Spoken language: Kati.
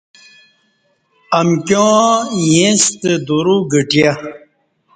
امکیاں اِیݩستہ دورو گھٹیہ